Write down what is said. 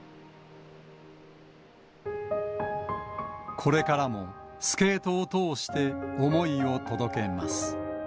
これからもスケートを通して思いを届けます。